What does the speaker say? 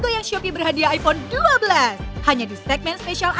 kami permisi dulu habis ini ya